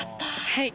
はい！